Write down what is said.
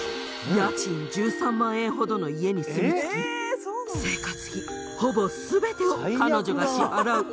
家賃１３万円ほどの家に住みつき生活費ほぼ全てを彼女が支払う。